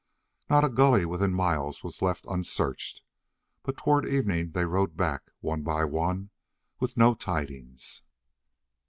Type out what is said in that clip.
Not a gully within miles was left unsearched, but toward evening they rode back, one by one, with no tidings.